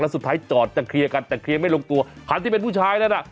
สุดท้ายจอดจะเคลียร์กันแต่เคลียร์ไม่ลงตัวคันที่เป็นผู้ชายนั้นน่ะ